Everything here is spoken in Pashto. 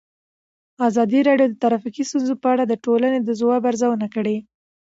ازادي راډیو د ټرافیکي ستونزې په اړه د ټولنې د ځواب ارزونه کړې.